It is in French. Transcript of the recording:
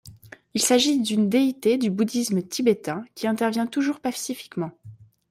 Il s'agit d'une déité du bouddhisme tibétain qui intervient toujours pacifiquement.